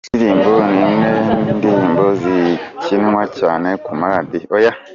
Iyo ndirimbo ni imwe ndirimbo zikinwa cyane ku ma radio.